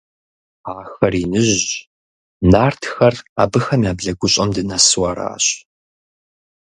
Ахэр иныжьщ. Нартхэр абыхэм я блэгущӀэм дынэсу аращ.